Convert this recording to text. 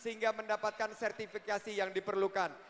sehingga mendapatkan sertifikasi yang diperlukan